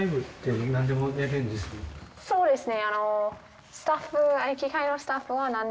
そうですね。